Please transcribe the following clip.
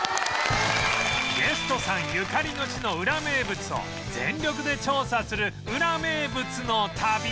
ゲストさんゆかりの地のウラ名物を全力で調査するウラ名物の旅